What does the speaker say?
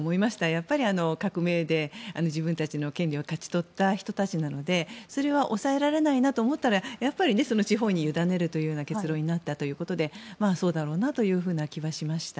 やっぱり革命で自分たちの権利を勝ち取った人たちなのでそれは抑えられないと思ったらやっぱり地方に委ねるという結論になったということでそうだろうなというふうな気はしました。